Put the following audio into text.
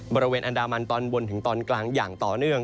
บริเวณอันดามันตอนบนถึงตอนกลางอย่างต่อเนื่อง